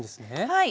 はい。